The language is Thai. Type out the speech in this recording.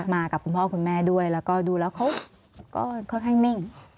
กับคุณพ่อคุณแม่ด้วยแล้วก็ดูแล้วเขาก็ค่อนข้างนิ่ง